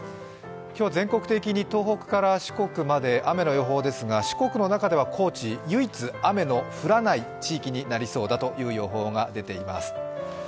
今日は全国的に東北から四国まで雨の予報ですが四国の中では高知、唯一雨の降らない地域になりそうだという予報が出ています。